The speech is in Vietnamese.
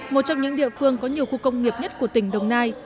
một trong những địa phương có nhiều khu công nghiệp nhất của tỉnh đồng nai